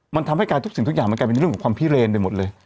มันทำให้กลายทุกสิ่งทุกอย่างเป็นอื่นเรื่องของความพิเรนได้หมดเลย